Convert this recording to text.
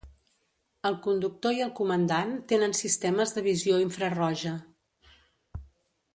El conductor i el comandant tenen sistemes de visió infraroja.